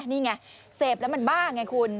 นี่ไงเสพแล้วมันบ้าไงคุณ